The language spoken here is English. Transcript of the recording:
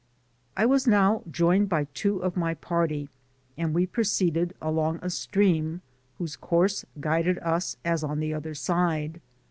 I was now joined by two of my party, and we proceeded along a stream whose course guided us as on the other side.